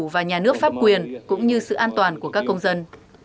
và nhà nước pháp quyền cũng như sự an toàn của các công dân